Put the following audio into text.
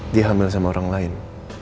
di hamil sama orang lain